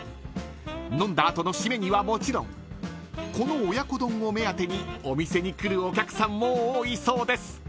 ［飲んだ後の締めにはもちろんこの親子丼を目当てにお店に来るお客さんも多いそうです］